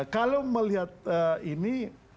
kalau melihat ini